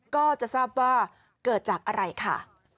ก็จะทราบว่าเกิดจากอะไรค่ะ